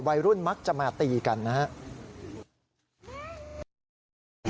วัยรุ่นมักจะมาตีกันนะครับ